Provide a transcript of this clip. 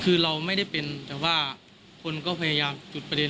คือเราไม่ได้เป็นแต่ว่าคนก็พยายามจุดประเด็น